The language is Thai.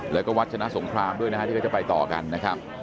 แล้วก็วัดชนะสงครามด้วยนะฮะที่เขาจะไปต่อกันนะครับ